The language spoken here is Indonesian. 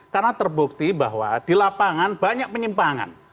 karena terbukti bahwa di lapangan banyak penyimpangan